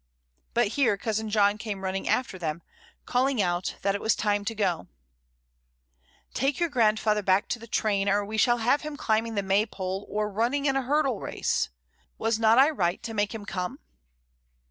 But here cousin John came running after them, calling out that it was time to go. 40 MRS. DYMOND. "Take your grandfather back to the train, or we shall have him climbing the Maypole, or running in a hurdle race. Was not I right to make him come?"